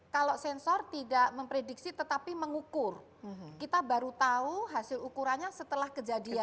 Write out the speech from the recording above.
kalau sensor tidak memprediksi tetapi mengukur kita baru tahu hasil ukurannya setelah kejadian